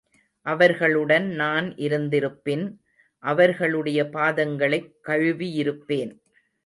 அவர்களுடன் நான் இருந்திருப்பின், அவர்களுடைய பாதங்களைக் கழுவியிருப்பேன்.